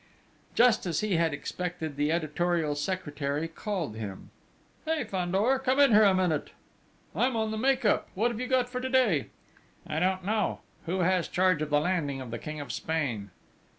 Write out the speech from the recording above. Just as he had expected, the editorial secretary called him. "Hey! Fandor, come here a minute! I am on the make up: what have you got for to day?" "I don't know. Who has charge of the landing of the King of Spain?"